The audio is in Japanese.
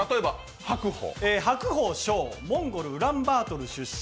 白鵬翔、モンゴル、ウランバートル出身。